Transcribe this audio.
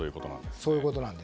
そういうことなんです。